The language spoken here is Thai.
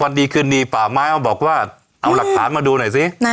วันดีคืนนี้ป่าไม้เอาหวังแบบว่าเอาหลักฐานมาดูหน่อยซิ